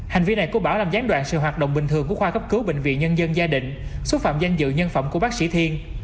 hành vi này của bảo làm gián đoạn sự hoạt động bình thường của khoa cấp cứu bệnh viện nhân dân gia đình xúc phạm danh dự nhân phẩm của bác sĩ thiên